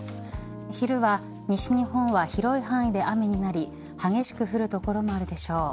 昼は西日本は広い範囲で雨になり激しく降る所もあるでしょう。